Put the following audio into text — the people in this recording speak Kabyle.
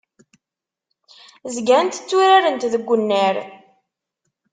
Zgant tturarent deg unnar.